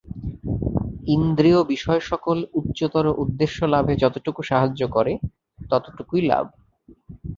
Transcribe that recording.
ইন্দ্রিয়-বিষয়সকল উচ্চতর উদ্দেশ্যলাভে যতটুকু সাহায্য করে, ততটুকুই ভাল।